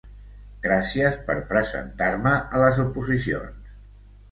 Gràcies per presentar-me a les oposicions.